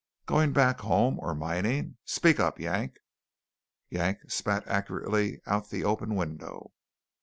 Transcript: "Going back home, or mining? Speak up, Yank." Yank spat accurately out the open window.